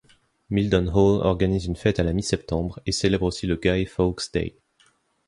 Mildenhall organise une fête à la mi-septembre, et célèbre aussi le Guy Fawkes day.